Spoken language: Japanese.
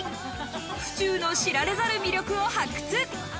府中の知られざる魅力を発掘。